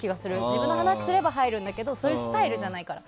自分の話をすれば入るんだけどそういうスタイルじゃないから。